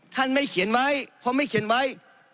ไม่เขียนไว้เพราะไม่เขียนไว้